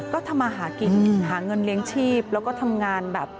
ก็ทำมาหากินหาเงินเลี้ยงชีพแล้วก็ทำงานแบบ